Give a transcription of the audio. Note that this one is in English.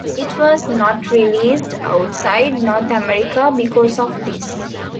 It was not released outside North America because of this.